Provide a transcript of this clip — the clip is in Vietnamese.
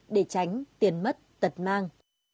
để tránh tiền mất tật mang